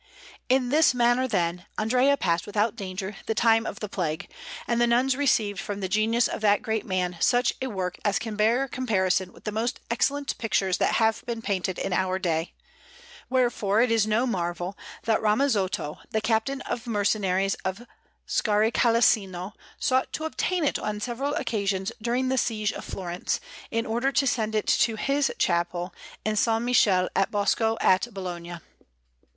In this manner, then, Andrea passed without danger the time of the plague, and those nuns received from the genius of that great man such a work as can bear comparison with the most excellent pictures that have been painted in our day; wherefore it is no marvel that Ramazzotto, the captain of mercenaries of Scaricalasino, sought to obtain it on several occasions during the siege of Florence, in order to send it to his chapel in S. Michele in Bosco at Bologna.